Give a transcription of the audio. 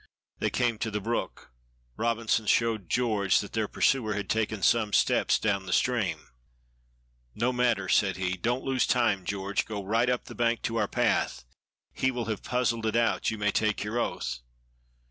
They came to the brook. Robinson showed. George that their pursuer had taken some steps down the stream. "No matter," said he, "don't lose time, George, go right up the bank to our path. He will have puzzled it out, you may take your oath."